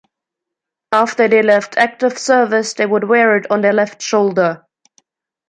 After they left active service, they would wear it on their left shoulder.